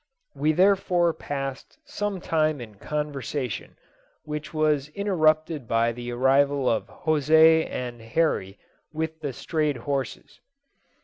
We therefore passed some time in conversation, which was interrupted by the arrival of José and Horry with the strayed horses.